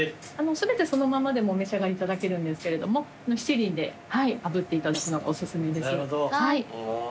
全てそのままでもお召し上がりいただけるんですけれどもしちりんであぶっていただくのがお薦めです。